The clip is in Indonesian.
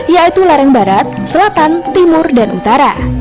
yaitu lereng barat selatan timur dan utara